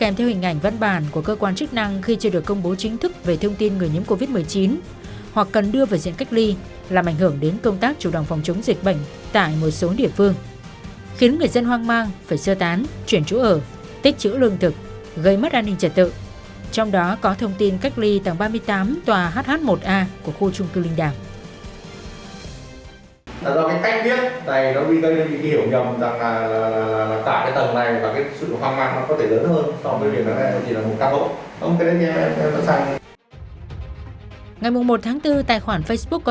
liên quan đến tình hình dịch bệnh covid một mươi chín tại nhiều địa phương trên cả nước